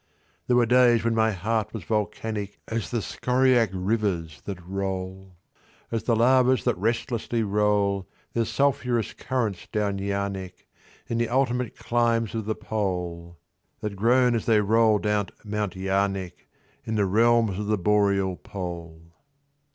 There were days when my heart was volcanic As the scoriac rivers that roll— As the lavas that restlessly roll Their sulphurous currents down Yaanek, In the ultimate climes of the Pole— That groan as they roll down Mount Yaanek In the realms of the Boreal Pole.